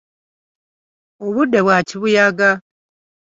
Obudde bwa kibuyaga.